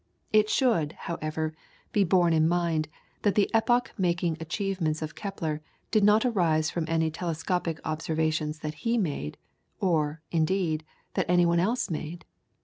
It should, however, be borne in mind that the epoch making achievements of Kepler did not arise from any telescopic observations that he made, or, indeed, that any one else made.